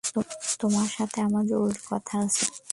তোমার সাথে আমার জরুরি কথা আছে।